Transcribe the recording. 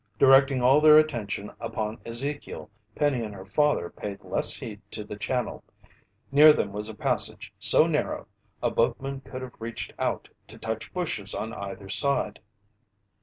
Directing all their attention upon Ezekiel, Penny and her father paid less heed to the channel. Near them was a passage so narrow a boatman could have reached out to touch bushes on either side.